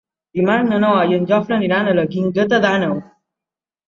Dimarts na Noa i en Jofre aniran a la Guingueta d'Àneu.